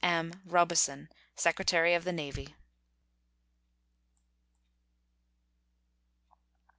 M. ROBESON, Secretary of the Navy.